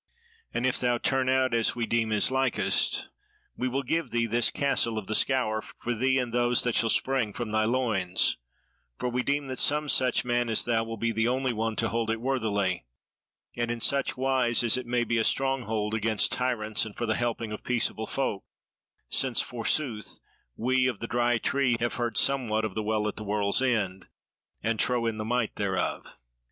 And if thou turn out as we deem is likest, we will give thee this Castle of the Scaur, for thee and those that shall spring from thy loins; for we deem that some such man as thou will be the only one to hold it worthily, and in such wise as it may be a stronghold against tyrants and for the helping of peaceable folk; since forsooth, we of the Dry Tree have heard somewhat of the Well at the World's End, and trow in the might thereof."